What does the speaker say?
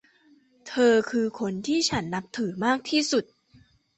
เธอคือคนที่ฉันนับถือมากที่สุด